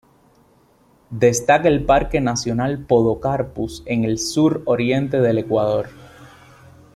Destaca el Parque nacional Podocarpus en el sur oriente del Ecuador.